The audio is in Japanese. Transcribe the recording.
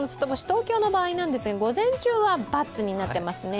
東京の場合なんですが午前中は×になっていますね。